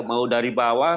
mau dari bawah